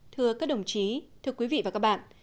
thưa các đồng chí thưa quý vị và các bạn